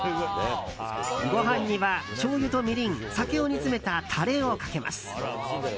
ご飯には、しょうゆとみりん酒を煮詰めたタレをかけます。